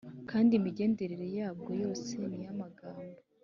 kandi imigendere yabwo yose ni iy’amahoro